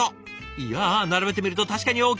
いや並べてみると確かに大きい！